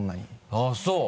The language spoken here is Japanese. あぁそう？